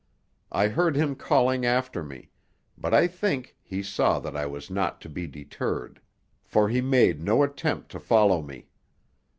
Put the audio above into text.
I heard him calling after me; but I think he saw that I was not to be deterred, for he made no attempt to follow me.